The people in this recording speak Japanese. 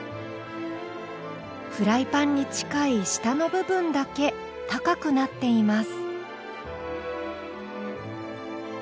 フライパンに近い下の部分だけ高くなっています。